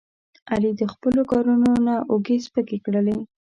علي د خپلو کارونو نه اوږې سپکې کړلې.